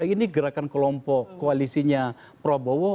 ini gerakan kelompok koalisinya prabowo